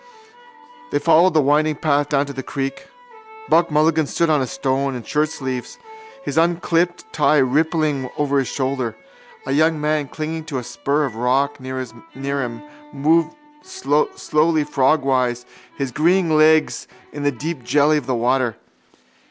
They followed the winding path down to the creek. Buck Mulligan stood on a stone, in shirtsleeves, his unclipped tie rippling over his shoulder. A young man clinging to a spur of rock near him, moved slowly frogwise his green legs in the deep jelly of the water.